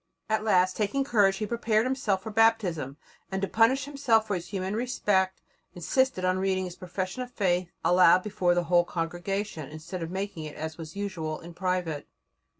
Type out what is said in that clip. At last taking courage, he prepared himself for Baptism, and, to punish himself for his human respect, insisted on reading his profession of faith aloud before the whole congregation, instead of making it, as was usual, in private.